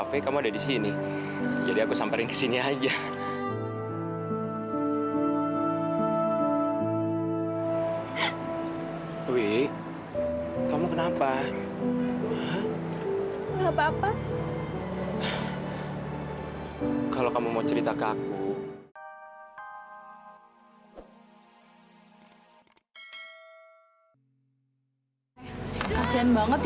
sampai jumpa di video selanjutnya